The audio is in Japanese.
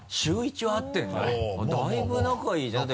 だいぶ仲いいじゃない。